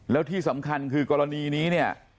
แล้วที่สำคัญคือกรณีนี้เนี่ย